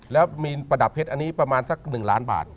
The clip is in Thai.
แล้วมีนประดับเพชรอันนี้ประมาณสัก๑ล้านบาท